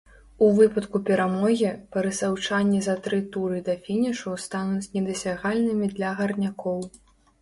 У выпадку перамогі барысаўчане за тры туры да фінішу стануць недасягальнымі для гарнякоў.